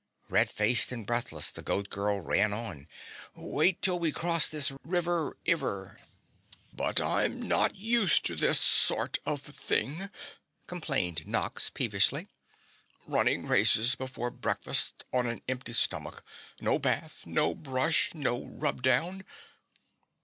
Red faced and breathless, the Goat Girl ran on. "Wait till we cross this river iver." "But I'm not used to this sort of thing," complained Nox peevishly. "Running races before breakfast on an empty stomach. No bath no brush no rub down!"